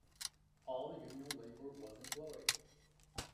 All union labor was employed.